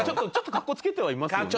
かっこつけてはいますよね。